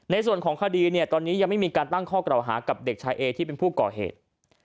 ในส่วนของคดีเนี่ยตอนนี้ยังไม่มีการตั้งข้อกล่าวหากับเด็กชายเอที่เป็นผู้ก่อเหตุ